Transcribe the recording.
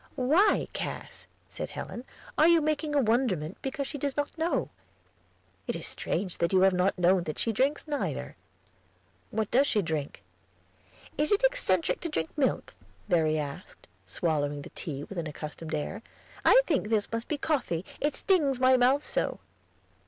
"Why, Cass," said Helen, "are you making a wonderment because she does not know? It is strange that you have not known that she drinks neither." "What does she drink?" "Is it eccentric to drink milk?" Verry asked, swallowing the tea with an accustomed air. "I think this must be coffee, it stings my mouth so."